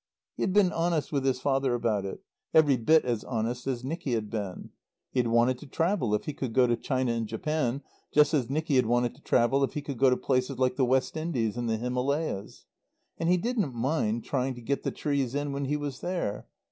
He had been honest with his father about it; every bit as honest as Nicky had been. He had wanted to travel if he could go to China and Japan, just as Nicky had wanted to travel if he could go to places like the West Indies and the Himalaya. And he didn't mind trying to get the trees in when he was there.